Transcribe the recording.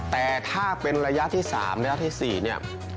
แต่ถ้าเป็นระยะที่๓ระยะที่๔เนี่ย